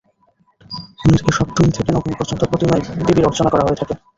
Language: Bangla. অন্যদিকে সপ্তমী থেকে নবমী পর্যন্ত প্রতিমায় দেবীর অর্চনা করা হয়ে থাকে।